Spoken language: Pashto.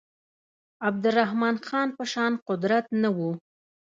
عبدالرحمن خان په شان قدرت نه وو.